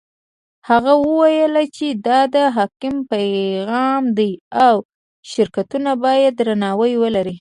هغه وویل چې دا د حکم پیغام دی او شرکتونه باید درناوی ولري.